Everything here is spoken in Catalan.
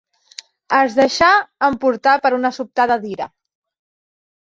Es deixà emportar per una sobtada d'ira.